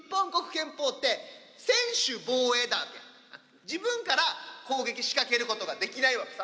拳法って専守防衛なんだよ、自分から攻撃しかけることができないわけさ。